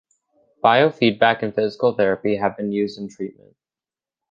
Biofeedback and physical therapy have been used in treatment.